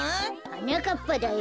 はなかっぱだよ。